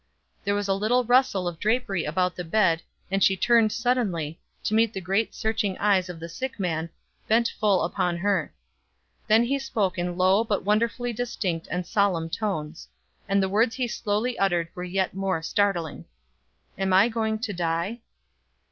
There was a little rustle of the drapery about the bed, and she turned suddenly, to meet the great searching eyes of the sick man, bent full upon her. Then he spoke in low, but wonderfully distinct and solemn tones. And the words he slowly uttered were yet more startling: "Am I going to die?"